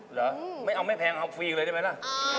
เหรอไม่เอาไม่แพงเอาฟรีเลยได้ไหมล่ะ